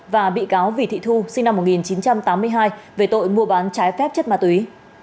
và bị cáo vì thị thu sinh năm một nghìn chín trăm tám mươi hai về tội mua bán trái phép chất ma túy